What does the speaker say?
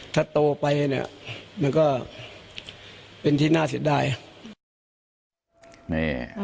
ถ้าโตไปมันก็เป็นทิศน่าเสจน้อย